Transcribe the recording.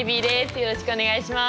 よろしくお願いします。